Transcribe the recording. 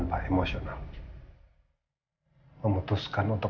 tapi dia sudah siap berusaha membandingkan rena